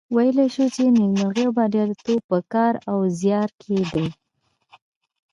ویلای شو چې نیکمرغي او بریالیتوب په کار او زیار کې دي.